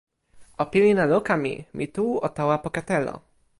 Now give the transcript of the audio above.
o pilin e luka mi. mi tu o tawa poka telo.